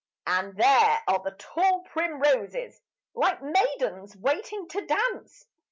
And there are the tall primroses Like maidens waiting to dance.